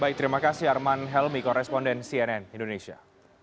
baik terima kasih arman helmi koresponden cnn indonesia